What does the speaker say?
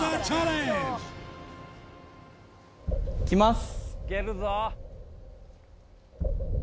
いきます